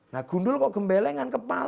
nah gundul kok gembelengan kepala